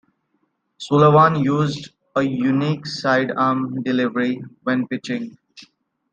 Sullivan used a unique sidearm delivery when pitching.